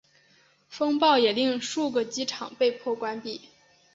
风暴也令数个机场被迫关闭。